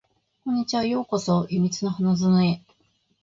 こんにちは。ようこそ秘密の花園へ